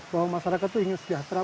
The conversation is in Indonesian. bahwa masyarakat itu ingin sejahtera